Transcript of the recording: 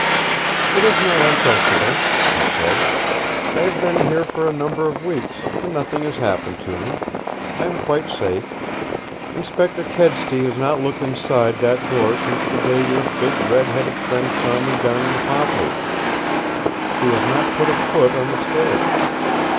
"It is not uncomfortable," she said. "I have been here for a number of weeks, and nothing has happened to me. I am quite safe. Inspector Kedsty has not looked inside that door since the day your big red headed friend saw me down in the poplars. He has not put a foot on the stair.